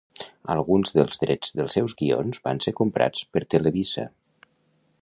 Alguns dels drets dels seus guions van ser comprats per Televisa.